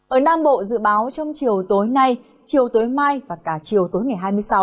ở nam bộ dự báo trong chiều tối nay chiều tối mai và cả chiều tối ngày hai mươi sáu